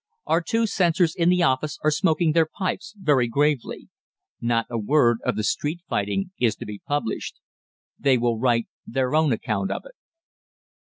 Our two censors in the office are smoking their pipes very gravely. Not a word of the street fighting is to be published. They will write their own account of it.